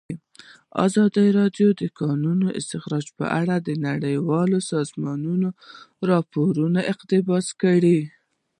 ازادي راډیو د د کانونو استخراج په اړه د نړیوالو سازمانونو راپورونه اقتباس کړي.